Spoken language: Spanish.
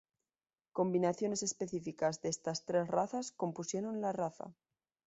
Combinaciones específicas de estas tres razas compusieron la raza.